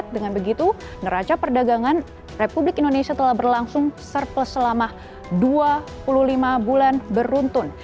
dengan begitu neraca perdagangan republik indonesia telah berlangsung surplus selama dua puluh lima bulan beruntun